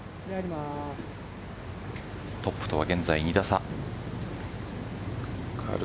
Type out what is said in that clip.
トップとは現在２打差。